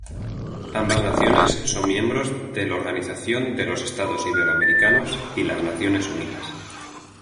Ambas naciones son miembros del Organización de los Estados Iberoamericanos y las Naciones Unidas.